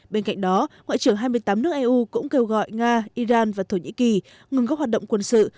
bên cạnh đó ngoại trưởng hai mươi tám nước eu cũng kêu gọi nga iran và thổ nhĩ kỳ ngừng các hoạt động quân sự